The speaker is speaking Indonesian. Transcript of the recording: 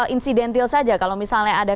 insidentil saja kalau misalnya ada